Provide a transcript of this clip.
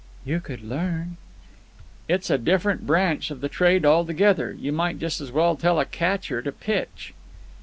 "You could learn." "It's a different branch of the trade altogether. You might just as well tell a catcher to pitch."